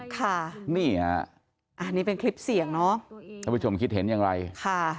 ค่ะนี่ฮะอันนี้เป็นคลิปเสียงเนอะท่านผู้ชมคิดเห็นอย่างไรค่ะ